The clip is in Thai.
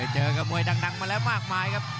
เจอกับมวยดังมาแล้วมากมายครับ